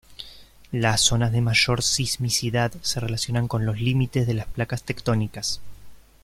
Las zonas de mayor sismicidad se relacionan con los límites de las placas tectónicas.